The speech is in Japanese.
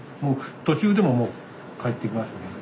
途中でももう帰ってきますね。